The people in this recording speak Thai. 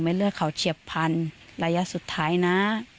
เลือดเขาเฉียบพันธุ์ระยะสุดท้ายนะ